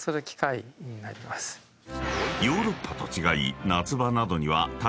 ［ヨーロッパと違い］